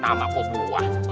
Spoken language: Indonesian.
nama kau buah